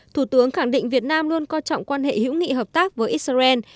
thủ tướng khẳng định việt nam luôn coi trọng quan hệ hữu nghị hợp tác với israel